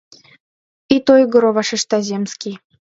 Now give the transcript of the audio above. — Ит ойгыро, — вашешта земский.